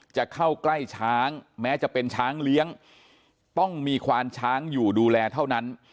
จะเข้าใกล้ช้างแม้จะเป็นช้างเลี้ยงต้องมีควานช้างอยู่ดูแลเท่านั้น